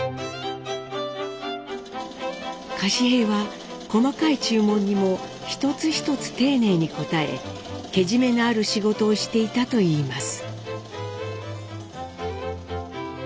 柏平は細かい注文にも一つ一つ丁寧に応えけじめのある仕事をしていたといいます。